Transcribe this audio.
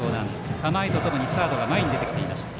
構えとともにサード構えに出てきました。